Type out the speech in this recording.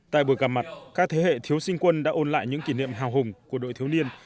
tại buổi gặp mặt các thế hệ thiếu sinh quân đã ôn lại những kỷ niệm hào hùng của đội thiếu niên